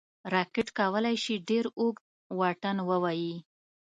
راکټ کولی شي ډېر اوږد واټن ووايي